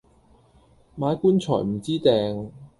買棺材唔知埞